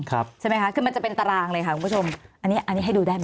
ใช่ไหมคะคือมันจะเป็นตารางเลยค่ะคุณผู้ชมอันนี้อันนี้ให้ดูได้ไหม